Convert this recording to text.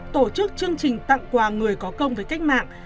tổ chức chương trình tặng quà người có công với cách mạng